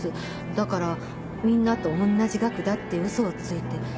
だからみんなとおんなじ額だって嘘をついて。